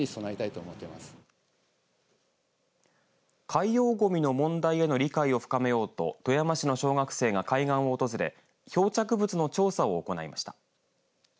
海洋ごみの問題への理解を深めようと富山市の小学生が海岸を訪れ漂着物の調査を行いました。